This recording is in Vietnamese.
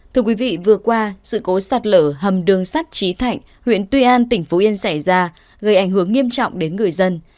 thưa quý vị vừa qua sự cố sạt lở hầm đường sắt trí thạnh huyện tuy an tỉnh phú yên xảy ra gây ảnh hưởng nghiêm trọng đến người dân